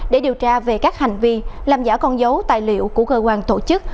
để điều tra về các hành vi làm giả con dấu tài liệu của cơ quan tổ chức